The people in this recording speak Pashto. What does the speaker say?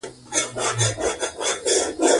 که سطح وي نو اصطکاک نه ورکیږي.